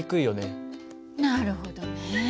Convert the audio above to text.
なるほどね。